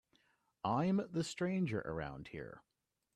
I'm the stranger around here.